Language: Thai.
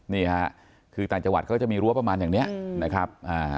นี่ค่ะคือต่างจังหวัดเขาจะมีรั้วประมาณอย่างนี้นะครับ